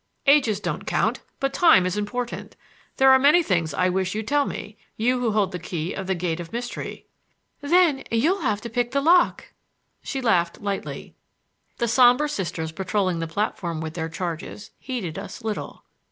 "Ages don't count, but time is important. There are many things I wish you'd tell me,—you who hold the key of the gate of mystery." "Then you'll have to pick the lock!" She laughed lightly. The somber Sisters patrolling the platform with their charges heeded us little.